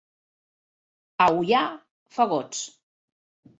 A Ullà, fagots.